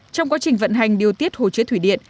trong quá trình vận hành điều tiết hồ chứa thủy điện